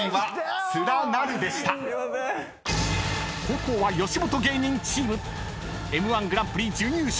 ［後攻は吉本芸人チーム］［Ｍ−１グランプリ準優勝。